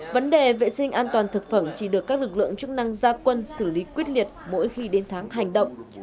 vấn đề vệ sinh an toàn thực phẩm chỉ được các lực lượng chức năng gia quân xử lý quyết liệt mỗi khi đến tháng hành động